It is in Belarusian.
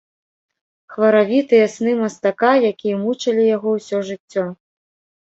Хваравітыя сны мастака, якія мучылі яго ўсё жыццё.